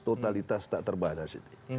totalitas tak terbatas